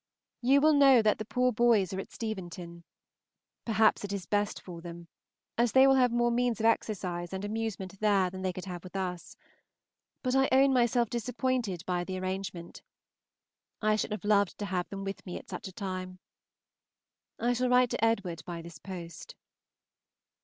You will know that the poor boys are at Steventon. Perhaps it is best for them, as they will have more means of exercise and amusement there than they could have with us, but I own myself disappointed by the arrangement. I should have loved to have them with me at such a time. I shall write to Edward by this post.